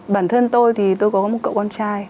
bản thân tôi thì tôi có một cậu con trai